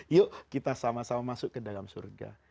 yuk kita sama sama masuk ke dalam surga